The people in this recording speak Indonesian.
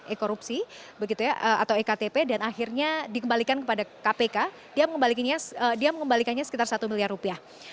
e korupsi begitu ya atau ektp dan akhirnya dikembalikan kepada kpk dia mengembalikannya sekitar satu miliar rupiah